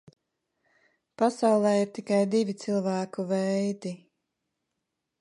Pasaulē ir tikai divi cilvēku veidi.